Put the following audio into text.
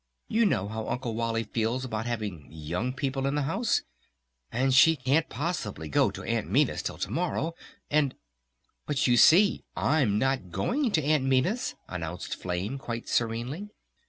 "You know how Uncle Wally feels about having young people in the house! And she can't possibly go to Aunt Minna's till to morrow! And...." "But you see I'm not going to Aunt Minna's!" announced Flame quite serenely.